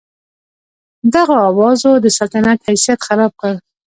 دغو اوازو د سلطنت حیثیت خراب کړ.